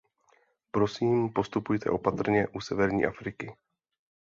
Prosím postupujte opatrně u severní Afriky.